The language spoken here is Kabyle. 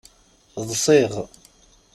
Ḍṣiɣ.